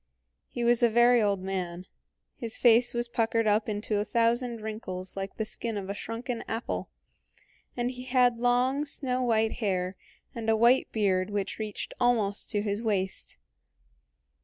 He was a very old man; his face was puckered up into a thousand wrinkles like the skin of a shrunken apple, and he had long, snow white hair and a white beard which reached almost to his waist.